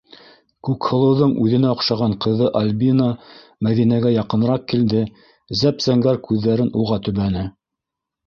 - Күкһылыуҙың үҙенә оҡшаған ҡыҙы Альбина, Мәҙинәгә яҡыныраҡ килде, зәп-зәңгәр күҙҙәрен уға төбәне.